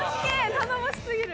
頼もしすぎる！